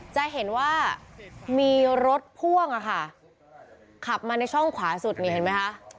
จะเห็นว่ามีรถพ่วงอะค่ะขับมาในช่องขวาสุดนี่เห็นไหมคะ